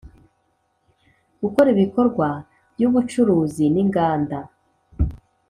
Gukora ibikorwa by ubucuruzi n inganda